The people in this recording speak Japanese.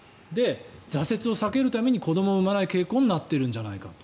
挫折を避けるために子どもを生まない傾向になってるんじゃないか。